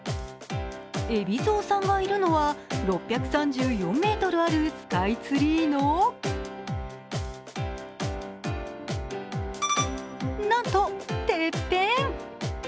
海老蔵さんがいるのは、６３４ｍあるスカイツリーのなんと、てっぺん！